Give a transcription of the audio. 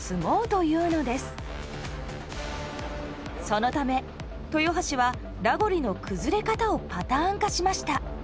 そのため豊橋はラゴリの崩れ方をパターン化しました。